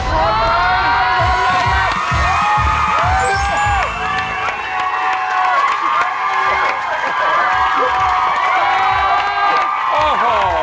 เบอร์วันนี้พี่พลอย